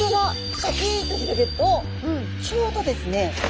シャキンと広げるとちょうどですね